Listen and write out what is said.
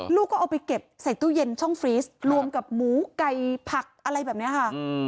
ลูกก็เอาไปเก็บใส่ตู้เย็นช่องฟรีสรวมกับหมูไก่ผักอะไรแบบนี้ค่ะ